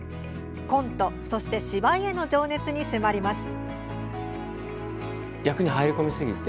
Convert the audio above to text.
コント、そして芝居への情熱に迫ります。